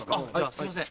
すいません